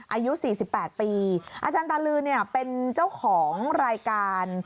อายุ๔๘ปีอาจารย์ตาลือเนี่ยเป็นเจ้าของรายการ